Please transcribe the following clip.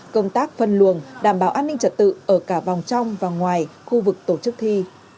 công tác phân luồng đảm bảo an ninh trật tự ở cả vòng trong và ngoài khu vực tổ chức thi